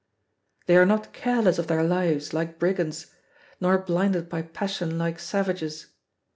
They are not careless of their lives, like brigands, nor blinded by passion like savages.